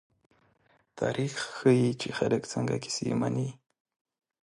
تاریخ ښيي، چې خلک څنګه کیسې مني.